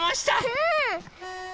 うん！